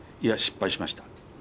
いや失敗しました。